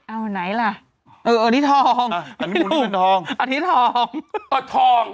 เอาไหนล่ะเอออันนี้ทองอันนี้มุมนี้เป็นทอง